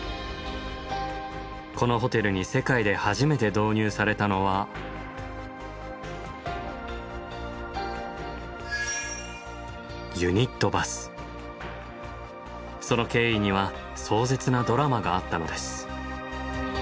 このホテルに世界で初めて導入されたのはその経緯には壮絶なドラマがあったのです。